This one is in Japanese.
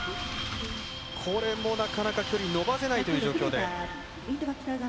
これも、なかなか距離伸ばせないという状況で。